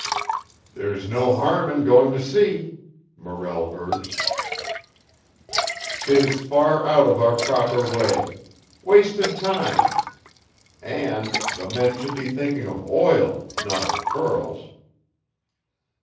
"There's no harm in going to see," Morrell urged. "'Tis far out of our proper way. Wasted time. And the men should be thinking of oil, not of pearls."